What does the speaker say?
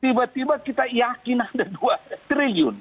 tiba tiba kita yakin ada dua triliun